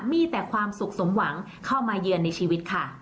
มีแต่ความสุขสมหวังเข้ามาเยือนในชีวิตค่ะ